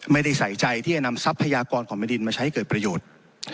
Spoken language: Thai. ไม่ได้ใส่ใจที่จะนำทรัพยากรของแผ่นดินมาใช้เกิดประโยชน์